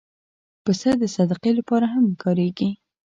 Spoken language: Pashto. پسه د صدقې لپاره هم کارېږي.